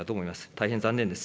大変残念です。